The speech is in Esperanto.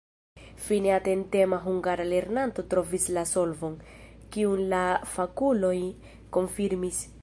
Fine atentema hungara lernanto trovis la solvon, kiun la fakuloj konfirmis.